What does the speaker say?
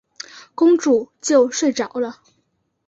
公主就睡着了。